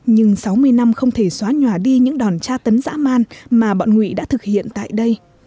nhưng sáu mươi năm không thể xóa nhòa đi những đòn tra tấn dã man mà bọn nguyện đã thực hiện tại đây